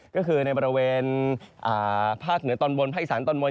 ก็คือในบริเวณภาคเหนือตอนบนภาคอีสานตอนบน